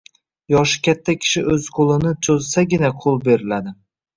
Yoshi katta kishi o‘zi qo‘lini cho‘zsagina qo‘l beriladi.